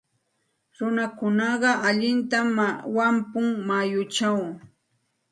Runaqa allintam wampun mayuchaw.